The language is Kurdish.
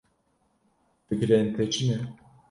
Fikrên te çi ne?